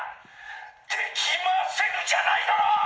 できませぬじゃないだろ！